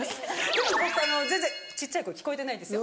でも全然小っちゃい声聞こえてないですよ。